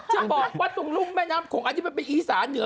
จะบอกว่าตรงรุ่มแม่น้ำโขงอันนี้มันเป็นอีสานเหนือ